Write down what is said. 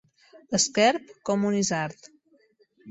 Esquerp com un isard.